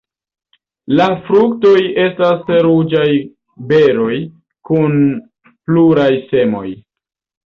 La fruktoj estas ruĝaj beroj kun pluraj semoj.